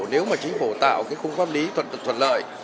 nếu mà chính phủ tạo khung pháp lý thuận lợi